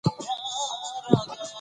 په افغانستان کې د کندز سیند منابع شته.